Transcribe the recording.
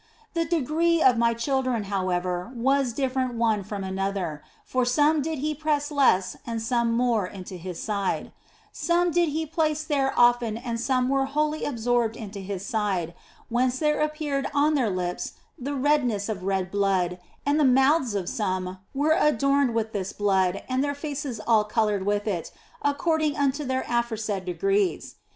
The degree of my children, however, was different one from another, for some did He press less and some more into His side ; some did He place there often and some were wholly absorbed into His side, whence there appeared on their lips the redness of red blood, and the mouths of some were adorned with this blood and their faces all coloured with it, according unto their aforesaid degrees.